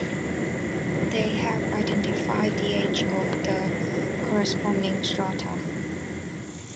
They help identify the age of the corresponding strata.